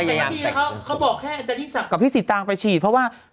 อ๋อแต่ทีนี้เขาบอกแค่อันตรีสักกับพี่สิตางไปฉีดเพราะว่า